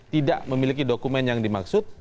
tidak memiliki dokumen yang dimaksud